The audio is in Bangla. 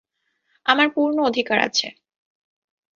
আমার পূর্ণ অধিকার আছে!